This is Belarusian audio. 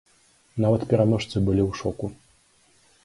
Нават пераможцы былі ў шоку.